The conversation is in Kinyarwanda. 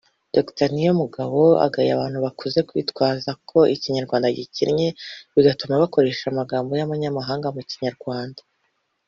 Dr Niyomugabo agaya abantu bakunze kwitwaza ko Ikinyarwanda gikennye bituma bakoresha amagambo y’amanyamahanga mu Kinyarwanda